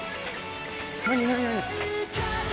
何何何？